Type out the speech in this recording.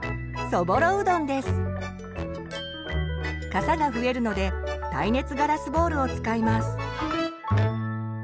かさが増えるので耐熱ガラスボウルを使います。